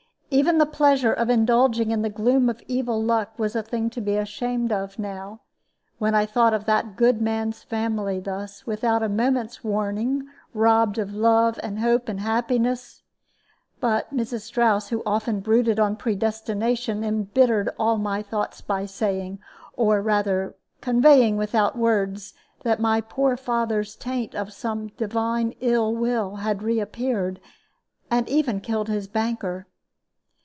Even the pleasure of indulging in the gloom of evil luck was a thing to be ashamed of now, when I thought of that good man's family thus, without a moment's warning, robbed of love and hope and happiness. But Mrs. Strouss, who often brooded on predestination, imbittered all my thoughts by saying, or rather conveying without words, that my poor fathers taint of some Divine ill will had re appeared, and even killed his banker.